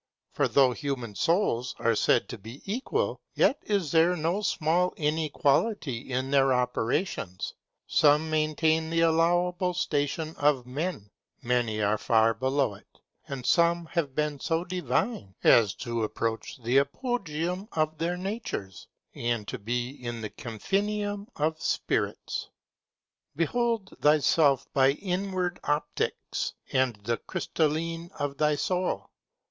For though human souls are said to be equal, yet is there no small inequality in their operations; some maintain the allowable station of men; many are far below it; and some have been so divine, as to approach the apogeum of their natures, and to be in the confinium of spirits. Behold thyself by inward opticks and the crystalline of thy soul.